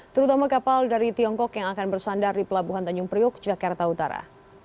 terutama kapal dari tiongkok yang akan bersandar di pelabuhan tanjung priuk jakarta utara